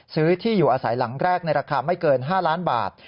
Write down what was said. ซื้อที่อยู่อาศัยหลังแรกในราคาไม่เกิน๕ล้านบาท